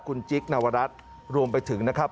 คุณจิ๊กนวรัฐรวมไปถึงนะครับ